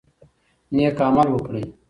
نیک عمل وکړئ.